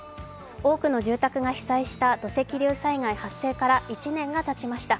多くの住宅が被災した土石流災害発生から１年がたちました。